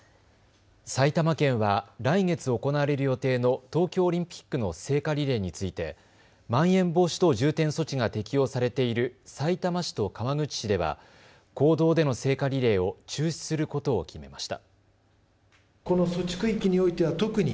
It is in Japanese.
埼玉県は来月行われる予定の東京オリンピックの聖火リレーについてまん延防止等重点措置が適用されているさいたま市と川口市では公道での聖火リレーを中止することを決めました。